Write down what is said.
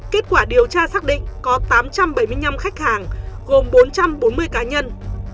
kết quả điều tra xác định có tám trăm bảy mươi năm khách hàng gồm bốn trăm bốn mươi cá nhân